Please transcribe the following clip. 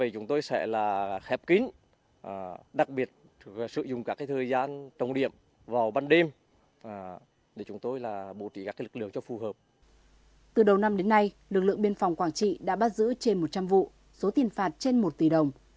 từ đầu năm đến nay lực lượng biên phòng quảng trị đã bắt giữ trên một trăm linh vụ số tiền phạt trên một tỷ đồng